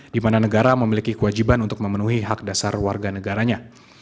di mana negara memiliki kewajiban untuk memenuhi hak dasar warga negaranya